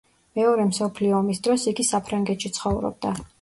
მეორე მსოფლიო ომის დროს იგი საფრანგეთში ცხოვრობდა.